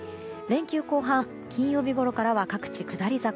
連休後半、金曜日ごろからは各地、下り坂。